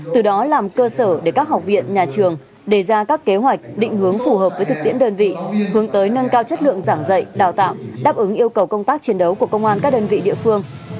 từ đó làm cơ sở để các học viện nhà trường đề ra các kế hoạch định hướng phù hợp với thực tiễn đơn vị hướng tới nâng cao chất lượng giảng dạy đào tạo đáp ứng yêu cầu công tác chiến đấu của công an các đơn vị địa phương